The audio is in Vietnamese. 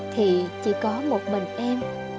thì chỉ có một mình em